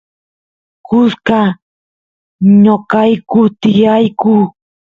kusqas noqayku tiyayku